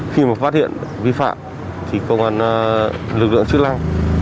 khi mà phát hiện vi phạm thì công an lực lượng chức năng